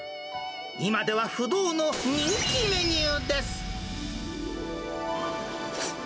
今では不動の人気メニューです。